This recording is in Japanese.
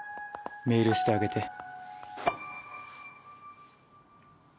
メールしてあげて」。